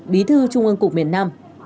bí thư trung ương cục miền nam